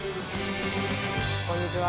こんにちは。